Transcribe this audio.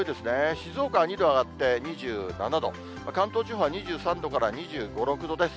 静岡は２度上がって２７度、関東地方は２３度から２５、６度です。